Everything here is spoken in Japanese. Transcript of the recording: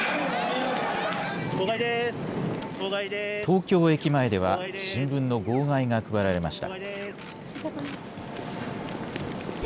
東京駅前では新聞の号外が配られました。